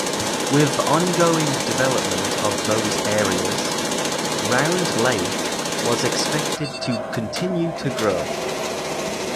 With ongoing development of those areas, Round Lake was expected to continue to grow.